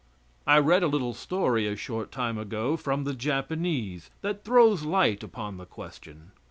I read a little story, a short time ago, from the Japanese, that throws light upon the question.